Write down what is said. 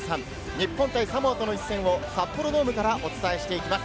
日本対サモアとの一戦を札幌ドームからお伝えしていきます。